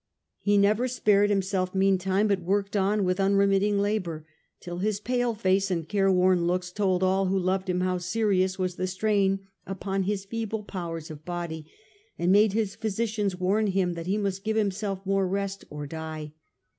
He never spared himself meantime, but worked on with unremitting labour till his pale face and careworn looks told all who loved him how serious was the strain upon his feeble powers of body, and made his physicians warn him that he must give himself more rest or die.